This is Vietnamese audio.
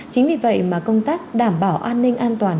chính vì vậy mà công tác đảm bảo an ninh an toàn